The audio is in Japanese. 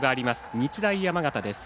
日大山形です。